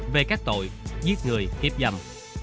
về các tội giết người hiếp dầm